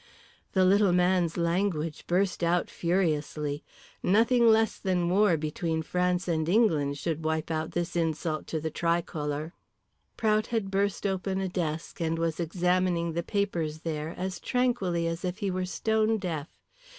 The little man's language burst out furiously. Nothing less than war between France and England should wipe out this insult to the tricolour. Prout had burst open a desk and was examining the papers there as tranquilly as if he were stone deaf.